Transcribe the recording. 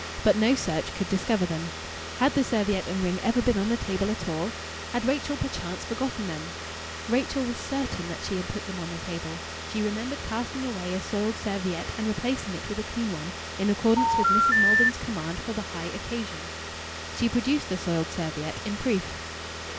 But no search could discover them. Had the serviette and ring ever been on the table at all? Had Rachael perchance forgotten them? Rachael was certain that she had put them on the table. She remembered casting away a soiled serviette and replacing it with a clean one in accordance with Mrs. Maldon's command for the high occasion. She produced the soiled serviette in proof.